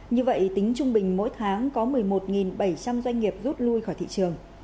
như vậy tính trung bình mỗi tháng có một mươi một bảy trăm linh doanh nghiệp rút lui khỏi thị trường